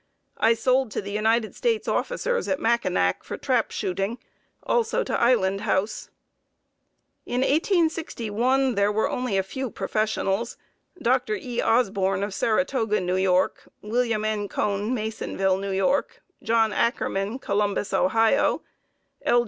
I sold to the United States officers at Mackinac for trap shooting, also to Island House. In 1861 there were only a few professionals: Dr. E. Osborn of Saratoga, N. Y; William N. Cone, Masonville, N. Y; John Ackerman, Columbus, Ohio; L.